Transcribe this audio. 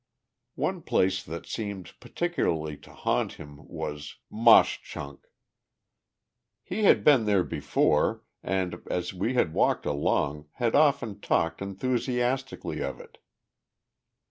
One place that seemed particularly to haunt him was Mauch Chunk. He had been there before, and, as we had walked along, had often talked enthusiastically of it.